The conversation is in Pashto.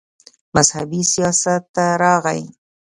مذهبي سياست ته راغے